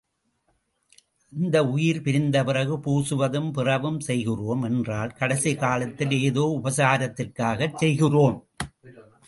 அந்த உயிர் பிரிந்தபிறகு பூசுவதும் பிறவும் செய்கிறோம் என்றால் கடைசிக்காலத்தில் ஏதோ உபசாரத்திற்காகச் செய்கிறோம்.